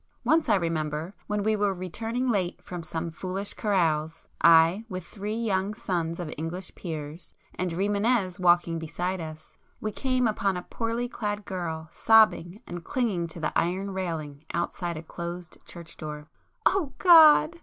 Once, I remember, when we were returning late from some foolish carouse,—I with three young sons of English peers, and Rimânez walking beside us,—we came upon a poorly clad girl sobbing and clinging to the iron railing outside a closed church door. "Oh God!"